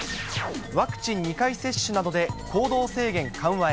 ワクチン２回接種などで行動制限緩和へ。